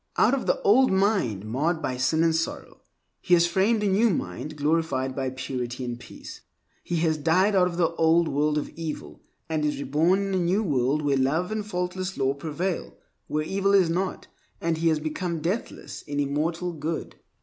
Out of the old mind marred by sin and sorrow, he has framed a new mind glorified by purity and peace. He has died out of the old world of evil, and is reborn in a new world where love and faultless law prevail, where evil is not, and he has become deathless in immortal Good.